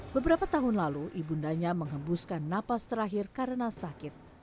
beberapa tahun lalu ibundanya mengembuskan napas terakhir karena sakit